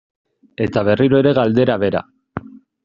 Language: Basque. Eta berriro ere galdera bera.